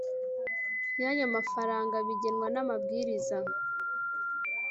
y ayo mafaranga bigenwa n Amabwiriza